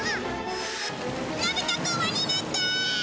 のび太くんは逃げて！